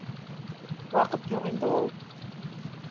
Ваҡыт юҡ инде ул